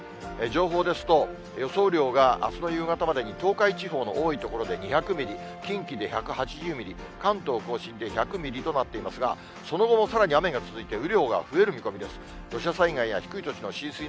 情報ですと、予想雨量があすの夕方までに、東海地方の多い所で２００ミリ、近畿で１８０ミリ、関東甲信で１００ミリとなっていますが、その後もさらに雨が続いて、雨量が増える見込みです。